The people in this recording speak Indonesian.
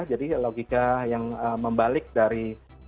jadi logika yang membalik dari